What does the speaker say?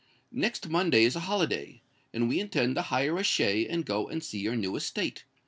Next Monday is a holiday; and we intend to hire a shay and go and see your new estate.